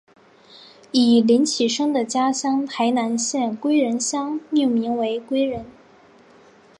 以林启生的家乡台南县归仁乡命名为归仁。